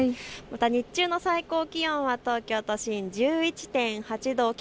また日中の最高気温は東京都心１１．８度。